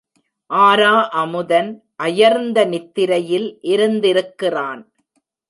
ஆரா அமுதன் அயர்ந்த நித்திரையில் இருந்திருக்கிறான்.